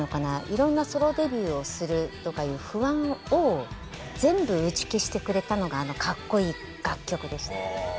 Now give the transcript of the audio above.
いろんなソロデビューをするとかいう不安を全部打ち消してくれたのがあのかっこいい楽曲でした。